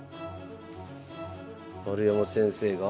丸山先生が？